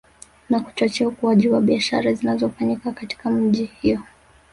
Na kuchochea ukuaji wa biashara zinazofanyika katika miji hiyo